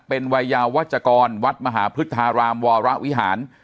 เป็นวัยยาวัชกรวัดมหาพฤทธารามวรวิหาร